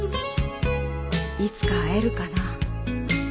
いつか会えるかな？